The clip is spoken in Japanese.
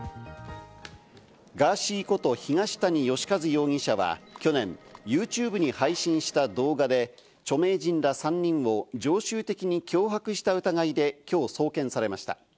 ガーシーこと東谷義和容疑者は去年、ユーチューブに配信した動画で著名人ら３人を常習的に脅迫した疑いで、きょう送検されました。